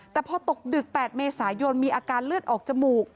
แต่พอตกดึก๘เมษายนมีอาการเลือดออกจมูก